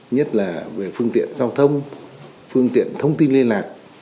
nhất là về phương tiện giao thông phương tiện thông tin liên lạc